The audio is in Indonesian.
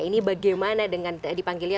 ini bagaimana dengan dipanggilnya